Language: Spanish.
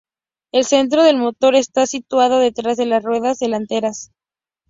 El centro del motor está situado detrás de las ruedas delanteras.